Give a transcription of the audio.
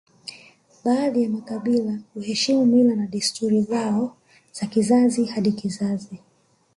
Baadhi ya makabila huheshimu mila na tamaduni zao za kizazi hadi kizazi